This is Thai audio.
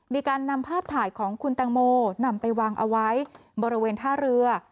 มีการนำภาพถ่ายของคุณตังโมนำไปวางเอาไว้บริเวณท่าเรือ